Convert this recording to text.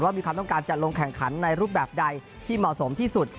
มีความต้องการจะลงแข่งขันในรูปแบบใดที่เหมาะสมที่สุด